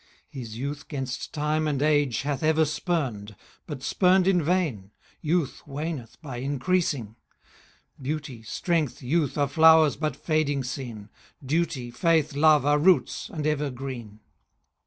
His youth 'gainst time and age hath ever spurn'd, But spurn'd in vain; youth waneth by increasing: Beauty, strength, youth, are flowers but fading seen; 5 Duty, faith, love, are roots, and ever green.